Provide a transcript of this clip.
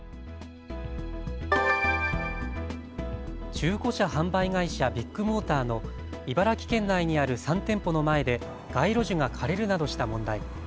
中古車販売会社、ビッグモーターの茨城県内にある３店舗の前で街路樹が枯れるなどした問題。